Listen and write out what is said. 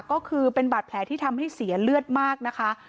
ก็คือเป็นบาดแผลที่ทำให้เสียเลือดมากนะคะ